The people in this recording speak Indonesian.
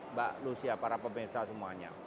mbak lucia para pemirsa semuanya